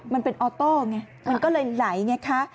มันเป็นออโต้ไงมันก็เลยไหลไงคะ